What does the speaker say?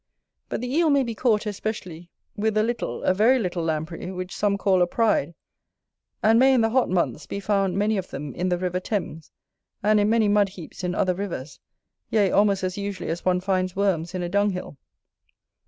But the Eel may be caught, especially, with a little, a very little Lamprey, which some call a Pride, and may, in the hot months, be found many of them in the river Thames, and in many mud heaps in other rivers; yea, almost as usually as one finds worms in a dunghill.